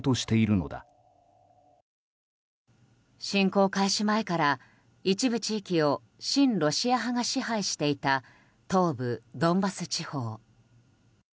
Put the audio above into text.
侵攻開始前から一部地域を親ロシア派が支配していた東部ドンバス地方。